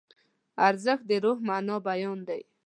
ارزښت د روح د مانا بیان دی.